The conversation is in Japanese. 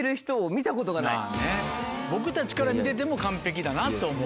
僕たちから見てても完璧だなって思うし。